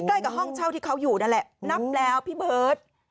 ใกล้กับห้องเช่าที่เขาอยู่นั่นแหละนับแล้วพี่เบิร์ต